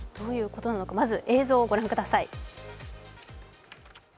まず、映像を御覧ください。